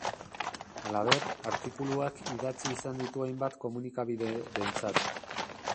Halaber, artikuluak idatzi izan ditu hainbat komunikabiderentzat.